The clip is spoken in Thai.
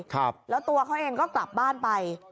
ครับแล้วตัวเขาเองก็กลับบ้านไป